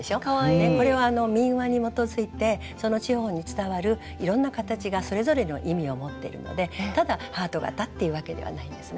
これは民話に基づいてその地方に伝わるいろんな形がそれぞれの意味を持ってるのでただハート形っていうわけではないんですね。